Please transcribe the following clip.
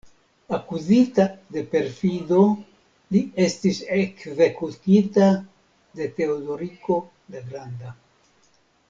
Akuzita de perfido, li estis ekzekutita de Teodoriko la Granda.